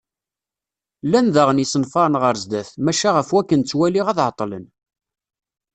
Llan daɣen yisenfaren ɣer sdat, maca ɣef wakken ttwaliɣ ad ɛeṭṭlen.